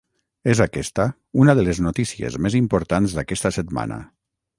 És aquesta una de les notícies importants d’aquesta setmana.